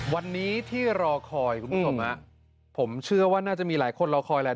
วันนี้ที่รอคอยคุณผู้ชมฮะผมเชื่อว่าน่าจะมีหลายคนรอคอยแหละ